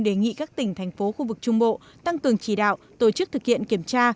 đề nghị các tỉnh thành phố khu vực trung bộ tăng cường chỉ đạo tổ chức thực hiện kiểm tra